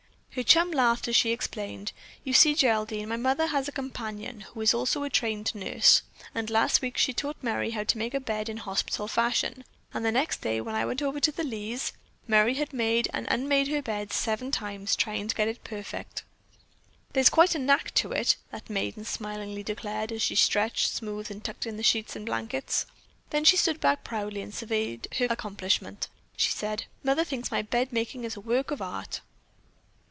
Her chum laughed as she explained: "You see, Geraldine, my mother has a companion, who is also a trained nurse, and last week she taught Merry how to make a bed in hospital fashion, and the next day when I went over to the Lees', Merry had made and unmade her bed seven times trying to get it perfect." "There's quite a knack to it," that maiden smilingly declared, as she stretched, smoothed and tucked in sheets and blankets. Then as she stood back proudly and surveyed her accomplishment, she said, "Mother thinks my bed making is a work of art."